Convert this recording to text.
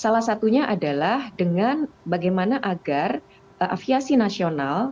salah satunya adalah dengan bagaimana agar aviasi nasional